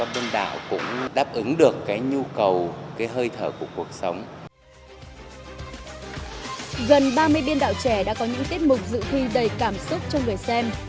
bên đạo trẻ đã có những tiết mục dự thi đầy cảm xúc cho người xem